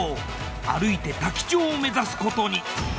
歩いて多気町を目指すことに。